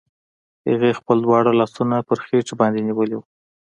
هغې خپل دواړه لاسونه پر خېټې باندې نيولي وو.